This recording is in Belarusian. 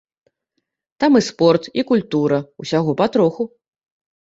Там і спорт, і культура, усяго патроху.